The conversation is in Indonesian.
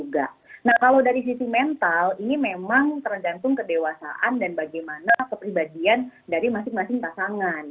nah kalau dari sisi mental ini memang tergantung kedewasaan dan bagaimana kepribadian dari masing masing pasangan